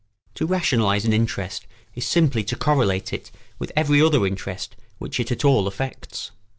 To rationalise an interest is simply to correlate it with every other interest which it at all affects.